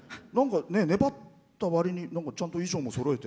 粘ったわりにちゃんと衣装もそろえて。